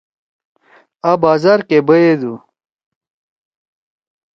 آ بازار کے بیدو